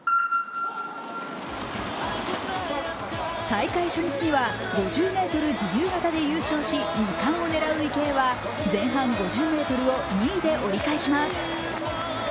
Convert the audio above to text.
大会初日には５０ｍ自由形で優勝し２冠を狙う池江は、前半５０ｍを２位で折り返します。